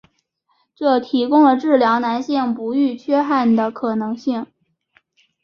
这提供了治疗男性不育缺憾的可能性。